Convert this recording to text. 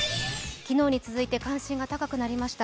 昨日に続いて関心が高くなりました。